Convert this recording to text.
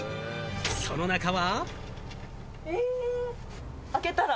その中は？